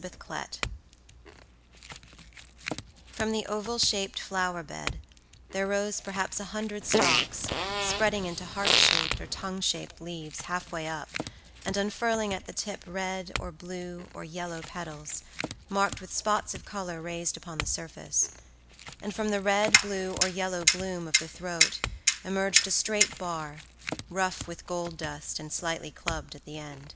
Kew Gardens FROM the oval shaped flower bed there rose perhaps a hundred stalks spreading into heart shaped or tongue shaped leaves half way up and unfurling at the tip red or blue or yellow petals marked with spots of colour raised upon the surface; and from the red, blue or yellow gloom of the throat emerged a straight bar, rough with gold dust and slightly clubbed at the end.